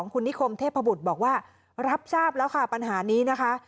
คุณนิคมเทพบุตรบอกว่ารับทราบแล้วค่ะปัญหานี้นะคะ